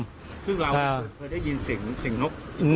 ซึ่งเราเคยได้ยินเสียงนก